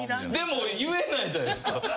でも言えないじゃないですか。